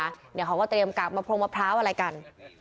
เดี๋ยวเขาก็เตรียมกากมะพรงมะพร้าวอะไรกัน